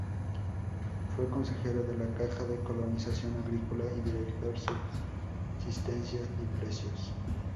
Fue consejero de la Caja de Colonización Agrícola y Director Subsistencias y Precios.